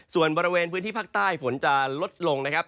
ส่วนบริเวณพื้นที่ภาคใต้ฝนจะลดลงนะครับ